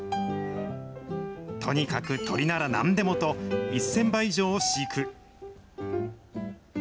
とにかく鳥ならなんでもと、１０００羽以上を飼育。